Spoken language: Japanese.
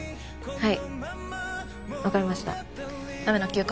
はい！